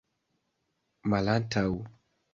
malantaŭ